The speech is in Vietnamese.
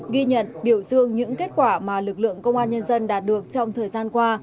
ghi nhận biểu dương những kết quả mà lực lượng công an nhân dân đạt được trong thời gian qua